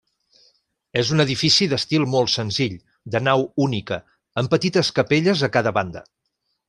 És un edifici d'estil molt senzill, de nau única, amb petites capelles a cada banda.